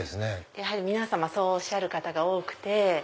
やはり皆様そうおっしゃる方が多くて。